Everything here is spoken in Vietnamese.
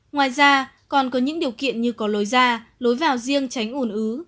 ngoài ra còn có những điều kiện như có lối ra lối vào riêng tránh ủn ứ